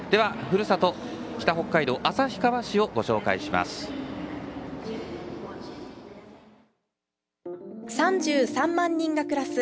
ふるさと、北北海道の旭川市をご紹介します。